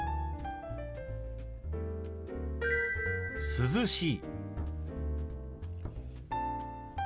「涼しい」。